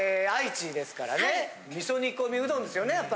愛知ですからね味噌煮込みうどんですよね？